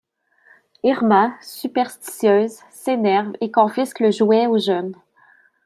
Irma, superstitieuse, s’énerve et confisque le jouet aux jeunes.